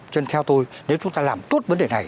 dân theo tôi nếu chúng ta làm tốt vấn đề này